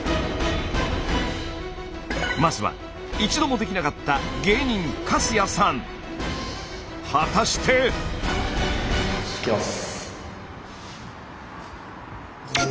まずは一度もできなかった芸人果たして！いきます。